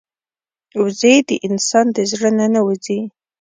وزې د انسان د زړه نه نه وځي